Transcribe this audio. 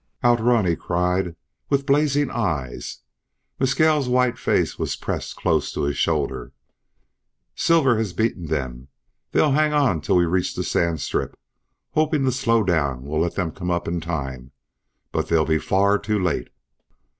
"Outrun!" he cried, with blazing eyes. Mescal's white face was pressed close to his shoulder. "Silver has beaten them. They'll hang on till we reach the sand strip, hoping the slow down will let them come up in time. But they'll be far too late."